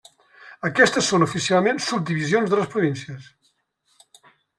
Aquestes són oficialment subdivisions de les províncies.